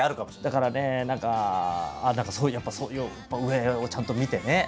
だからね何かすごいやっぱそういう上をちゃんと見てね。